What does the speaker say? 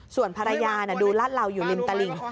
ส่วนภรรยาดูลาดลาวอยู่ริมตลิง